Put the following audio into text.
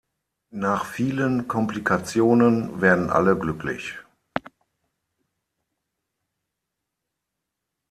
Nach vielen Komplikationen werden alle glücklich.